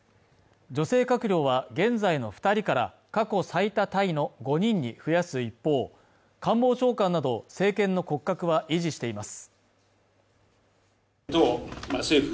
女性閣僚は現在の２人から過去最多タイの５人に増やす一方官房長官など政権の骨格は維持しています